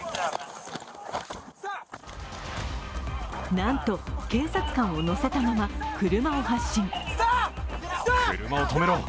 なんと、警察官を乗せたまま車を発進。